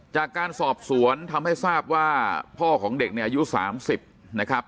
จากการสอบสวนทำให้ทราบว่าพ่อของเด็กเนี่ยอายุ๓๐นะครับ